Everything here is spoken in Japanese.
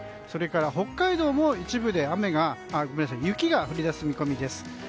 それから北海道も一部で雪が降り出す見込みです。